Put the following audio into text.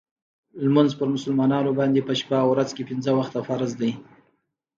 لمونځ په مسلمانانو باندې په شپه او ورځ کې پنځه وخته فرض دی .